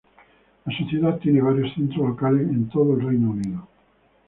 La sociedad tiene varios centros locales en todo el Reino Unido.